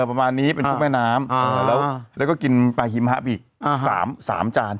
ประมาณนี้เป็นพวกแม่น้ำแล้วก็กินปลาฮิมฮะอีก๓จาน